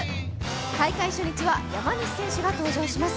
開会初日は山西選手が登場します。